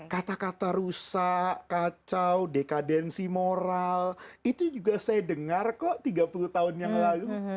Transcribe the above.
kata kata rusak kacau dekadensi moral itu juga saya dengar kok tiga puluh tahun yang lalu